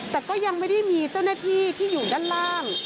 แต่ก็ยังไม่ได้มีเจ้าหน้าที่ที่อยู่ด้านล่าง